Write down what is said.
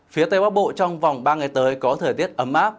phía tây bắc bộ trong vòng ba ngày tới có thời tiết ấm áp